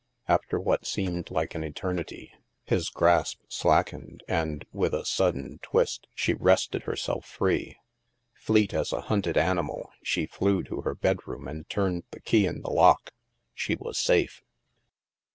After what seemed like an eternity, his grasp slackened and, with a sudden twist, she wrested her self free. Fleet as a hunted animal, she flew to her bedroom and turned the key in the lock. She was safe!